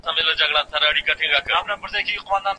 ښه ذهنیت جنجال نه جوړوي.